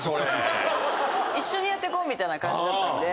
一緒にやって行こうみたいな感じだったんで。